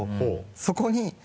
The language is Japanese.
そこに。